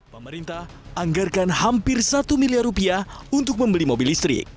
pemerintah anggarkan hampir satu miliar rupiah untuk membeli mobil listrik